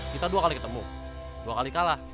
kita dua kali ketemu dua kali kalah